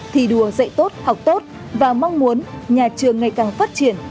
thi đùa dạy tốt học tốt và mong muốn nhà trường ngày càng phát triển